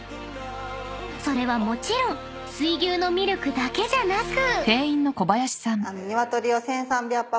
［それはもちろん水牛のミルクだけじゃなく］